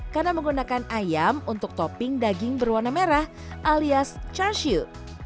karena menggunakan ayam untuk topping daging berwarna merah alias chashu